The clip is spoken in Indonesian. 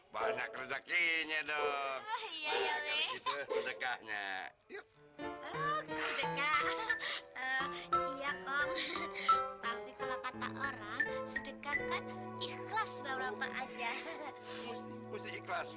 banyak rezekinya dong ya ya ya oh iya kok kalau kata orang sedekat ikhlas